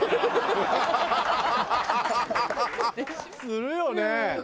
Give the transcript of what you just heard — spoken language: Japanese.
するよね。